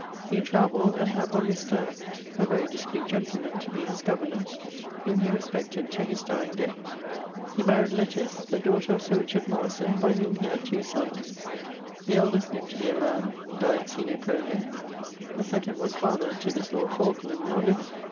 He travelled, and had one Mr. ... (a very discreet gentleman) to be his governor[BT], whom he respected to his dyeing day. He maried Letice, the daughter of Sir Morison, by whom he had two sonnes: the eldest lived to be a man, died sine prole; the second was father to this lord Falkland now living.